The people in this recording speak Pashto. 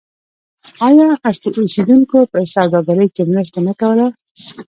آیا اصلي اوسیدونکو په سوداګرۍ کې مرسته نه کوله؟